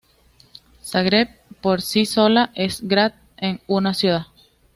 Zagreb por sí sola es "grad", una ciudad.